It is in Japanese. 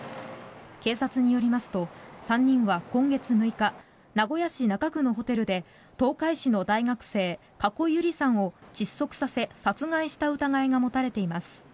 警察によりますと３人は今月６日名古屋市中区のホテルで東海市の大学生加古結莉さんを窒息させ殺害した疑いが持たれています。